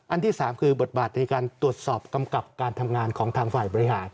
ที่๓คือบทบาทในการตรวจสอบกำกับการทำงานของทางฝ่ายบริหาร